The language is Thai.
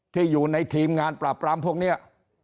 ที่อยู่ในทีมงานปราบปรามพวกนี้